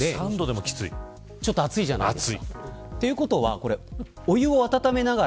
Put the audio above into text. ちょっと熱いじゃないですか。